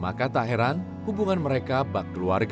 maka tak heran hubungan mereka bak keluarga